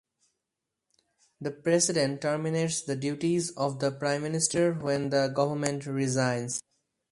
The President terminates the duties of the Prime Minister when the Government resigns.